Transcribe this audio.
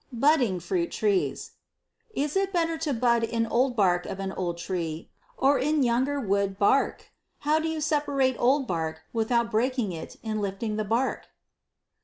Budding Fruit Trees. Is it better to bud in old bark of an old tree or in younger wood bark? How do you separate old bark without breaking it in lifting the bark?